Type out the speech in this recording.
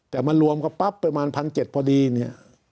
แต่มารวมกับปั๊บประมาณ๑๗๐๐พอดีเนี่ย